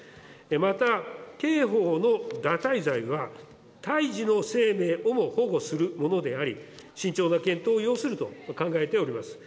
また、刑法の堕胎罪は、胎児の生命をも保護するものであり、慎重な検討を要すると考えております。